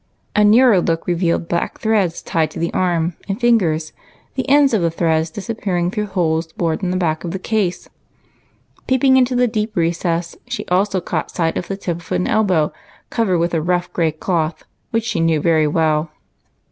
A nearer look revealed black threads tied to the arm and fingers, the ends of threads disappearing through holes bored in the back of the case. Peeping into the deep recess, she also caught sight of the tip of 224 EIGHT COUSINS. an elbow covered with a rough gray cloth which she knew very well.